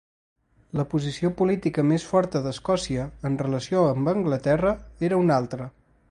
La posició política més forta d'Escòcia en relació amb Anglaterra era una altra.